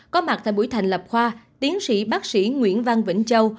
có mặt tại buổi thành lập khoa tiến sĩ bác sĩ nguyễn văn vĩnh châu